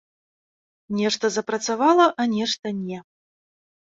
Нешта запрацавала, а нешта не.